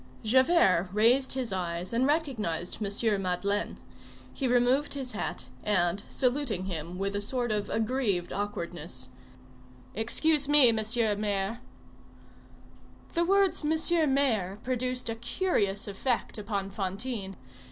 Javert raised his eyes and recognized M. Madeleine. He removed his hat, and, saluting him with a sort of aggrieved awkwardness:— "Excuse me, Mr. Mayor—" The words "Mr. Mayor" produced a curious effect upon Fantine.